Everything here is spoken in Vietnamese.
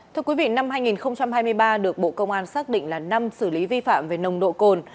thưa quý vị năm hai nghìn hai mươi ba được bộ công an xác định là năm xử lý vi phạm về nồng độ cồn